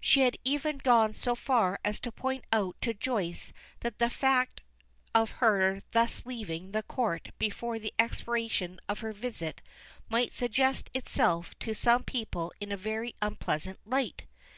She had even gone so far as to point out to Joyce that the fact of her thus leaving the Court before the expiration of her visit might suggest itself to some people in a very unpleasant light.